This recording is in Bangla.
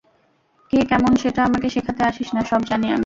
কে কেমন সেটা আমাকে শেখাতে আসিস না, সব জানি আমি।